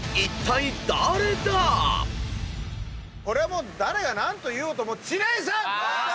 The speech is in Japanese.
これはもう誰が何と言おうと知念さん！